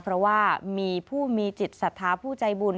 เพราะว่ามีผู้มีจิตศรัทธาผู้ใจบุญ